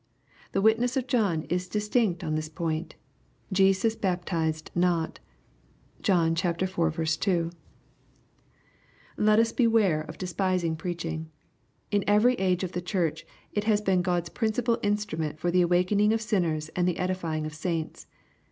The witness of John is distinct on this point : "Jesus baptized not." (John iv. 2.) Let us beware of despising preaching. In every age of the Church, it has been God's principal instrument for the awakening of sinners and ^tbe edifying of saints.